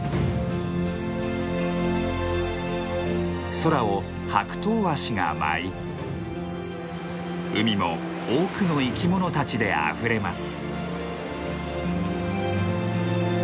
空をハクトウワシが舞い海も多くの生き物たちであふれます。